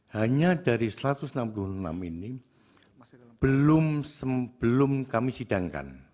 hanya dari satu ratus enam puluh enam ini belum sebelum kami sidangkan